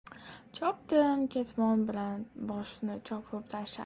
Chopdim. Ketmon bilan boshini chopib tashladim.